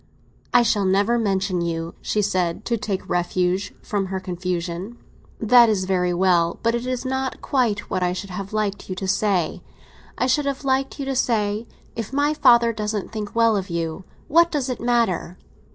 "I shall never mention you," she said, to take refuge from her confusion. "That is very well; but it is not quite what I should have liked you to say. I should have liked you to say: 'If my father doesn't think well of you, what does it matter?